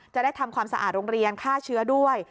จะได้ทำความสะอาดโรงเรียนฆ่าเชื้อด้วย